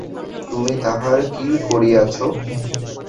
তুমি তাহার কী করিয়াছ।